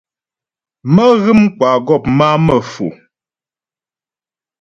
Mə́́ghə̌m kwa mə́gɔ̌p má'a Mefo.